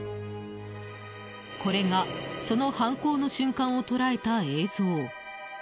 これが、その犯行の瞬間を捉えた映像。